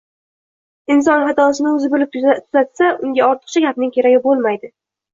Inson xatosini o‘zi bilib tuzatsa, unga ortiqcha gapning keragi bo‘lmaydi.